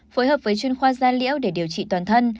phối hợp với chuyên khoa gia liễu để điều trị toàn thân